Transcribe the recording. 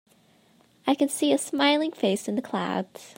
I can see a smiling face in the clouds.